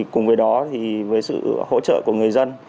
cùng với đó thì với sự hỗ trợ của người dân